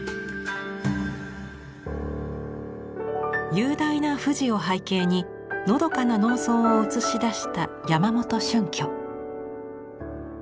雄大な富士を背景にのどかな農村を映し出した山元春挙。